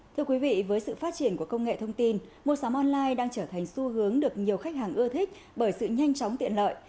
thưa quý vị với sự phát triển của công nghệ thông tin mua sắm online đang trở thành xu hướng được nhiều khách hàng ưa thích bởi sự nhanh chóng tiện lợi